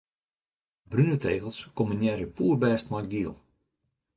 Brune tegels kombinearje poerbêst mei giel.